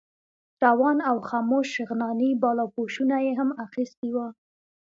روان او خموش شغناني بالاپوشونه یې هم اخیستي وو.